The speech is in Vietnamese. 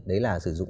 đấy là sử dụng